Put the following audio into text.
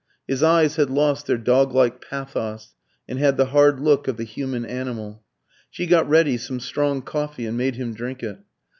His eyes had lost their dog like pathos, and had the hard look of the human animal. She got ready some strong coffee, and made him drink it.